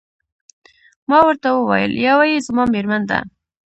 ما ورته وویل: یوه يې زما میرمن ده.